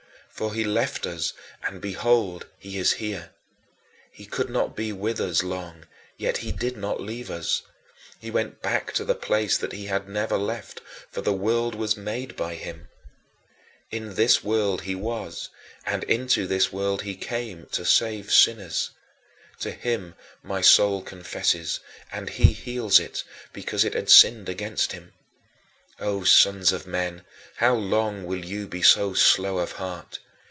For he left us, and behold, he is here. He could not be with us long, yet he did not leave us. He went back to the place that he had never left, for "the world was made by him." In this world he was, and into this world he came, to save sinners. To him my soul confesses, and he heals it, because it had sinned against him. O sons of men, how long will you be so slow of heart?